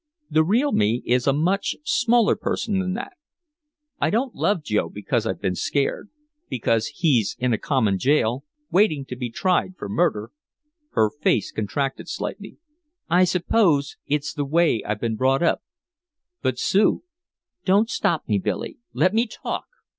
The real me is a much smaller person than that. I don't love Joe because I've been scared because he's in a common jail waiting to be tried for murder." Her face contracted slightly. "I suppose it's the way I've been brought up." "But Sue " "Don't stop me, Billy, let me talk!"